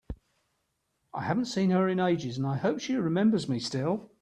I haven’t seen her in ages, and I hope she remembers me still!